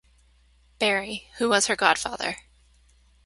Barrie, who was her godfather.